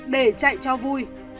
để chạy cho vui